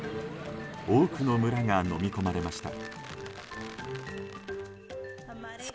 多くの村がのみ込まれました。